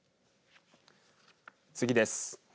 次です。